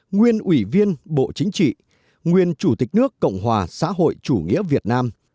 nguyên ủy viên bộ chính trị nguyên chủ tịch nước cộng hòa xã hội chủ nghĩa việt nam